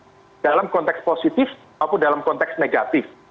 apakah dalam konteks positif apakah dalam konteks negatif